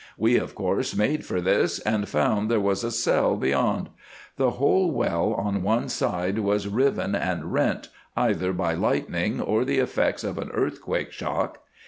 We, of course, made for this, and found there was a cell beyond. The whole well on one side was riven and rent, either by lightning or the effects of an earthquake shock.